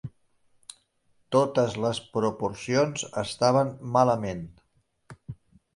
Totes les proporcions estaven malament.